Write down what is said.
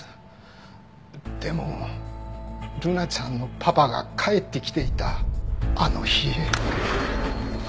でもルナちゃんのパパが帰ってきていたあの日。